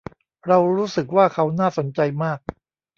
เรารู้สึกว่าเขาน่าสนใจมาก